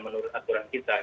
menurut aturan kita